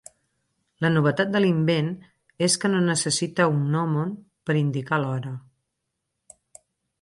La novetat de l'invent és que no necessita un gnòmon per indicar l'hora.